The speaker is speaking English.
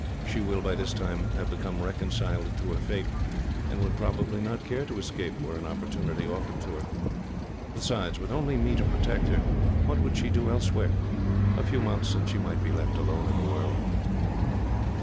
She will, by this time, have become reconciled to her fate, and would probably not care to escape, were an opportunity offered to her. Besides, with only me to protect her, what would she do elsewhere? A few months, and she might be left alone in the world."